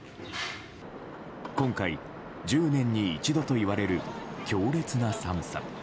今回、１０年に一度といわれる強烈な寒さ。